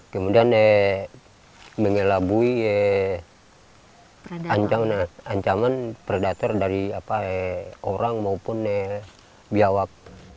kemudian mengelabui ancaman predator dari orang maupun biawak